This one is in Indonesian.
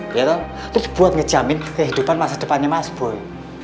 terus buat ngejamin kehidupan masa depannya mas boy